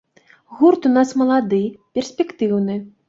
Гурт у нас малады, перспектыўны.